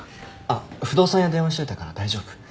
あっ不動産屋に電話しといたから大丈夫。